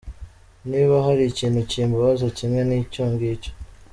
Niba hari ikintu kimbabaza kimwe ni icyongicyo.